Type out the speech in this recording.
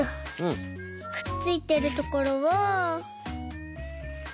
くっついてるところをスッ。